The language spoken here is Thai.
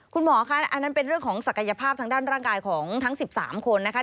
คุณหมอคะอันนั้นเป็นเรื่องของศักยภาพทางด้านร่างกายของทั้ง๑๓คนนะคะ